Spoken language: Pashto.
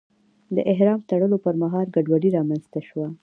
د احرام تړلو پر مهال ګډوډي رامنځته شوه.